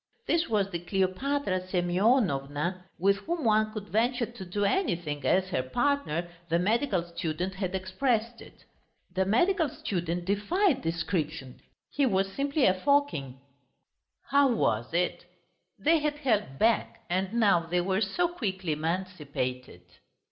This was the Kleopatra Semyonovna with whom one could venture to do anything, as her partner, the medical student, had expressed it. The medical student defied description: he was simply a Fokin. How was it? They had held back and now they were so quickly emancipated!